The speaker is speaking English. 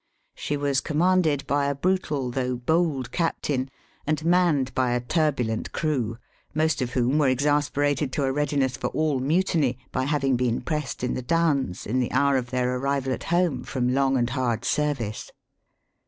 She was commanded by a brutal though bold captain, and manned by a turbulent "crew, most of whom were exasperated to a readiness for all mutiny by having been pressed in the Downs, in the hour of their arrival at home from long and hard service.